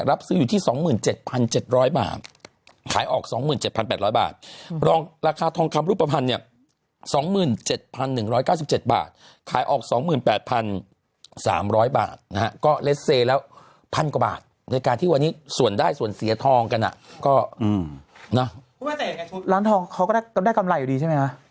ก็อืมนะคุณผู้ชมว่าแต่ยังไงร้านทองเขาก็ได้กำไรอยู่ดีใช่ไหมฮะ